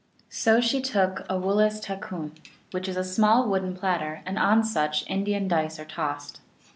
So she took a woltes takun, which is a small wooden platter, and on such Indian dice are tossed.